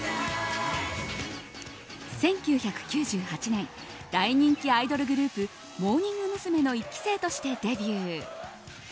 １９９８年大人気アイドルグループモーニング娘。の１期生としてデビュー。